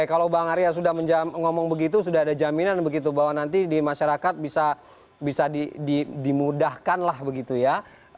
jadi bang arya sudah ngomong begitu sudah ada jaminan begitu bahwa nanti di masyarakat bisa dimudahkan lah begitu ya